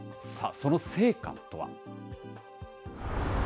さあ、その成果とは。